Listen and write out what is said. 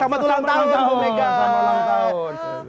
selamat ulang tahun